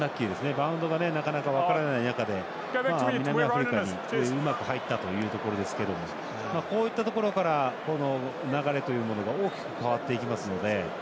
バウンドがなかなか、分からない中で南アフリカにうまく入ったというところですけどこういったところから流れというものが大きく変わっていきますので。